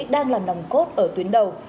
đang là nòng cốt ở tuyến đầu